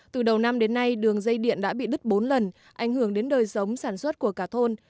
từ đầu năm đến nay đường dây điện đã bị đứt bốn lần ảnh hưởng đến đời sống sản xuất của cả thôn